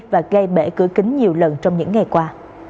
và gây bể cửa kính nhiều lần trong những ngày qua